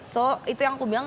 so itu yang aku bilang